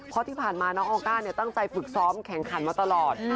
เพราะที่ผ่านมาน้องออก้าตั้งใจฝึกซ้อมแข่งขันมาตลอด